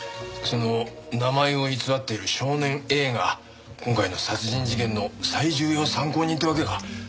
その名前を偽っている少年Ａが今回の殺人事件の最重要参考人ってわけか。